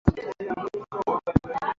sawa na asilimia thelathini na sita